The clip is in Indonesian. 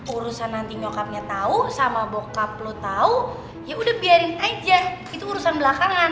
urusan nanti nyokapnya tahu sama bokap lo tau yaudah biarin aja itu urusan belakangan